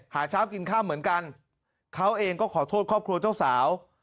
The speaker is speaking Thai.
หาเช้ากินค่ำเหมือนกันเขาเองก็ขอโทษครอบครัวเจ้าสาว